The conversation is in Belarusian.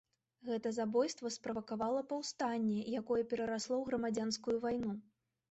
Гэта забойства справакавала паўстанне, якое перарасло ў грамадзянскую вайну.